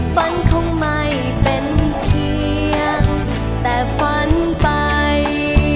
ฝันคงไม่เป็นเพียงแต่ฝันไป